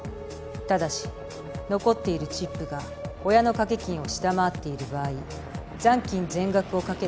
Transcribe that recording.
ただし残っているチップが親の賭け金を下回っている場合残金全額を賭ければ勝負できます。